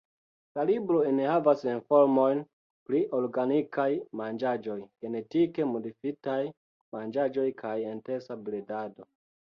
La libro enhavas informojn pri organikaj manĝaĵoj, genetike modifitaj manĝaĵoj kaj intensa bredado.